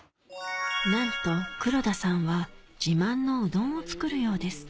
なんと黒田さんは自慢のうどんを作るようです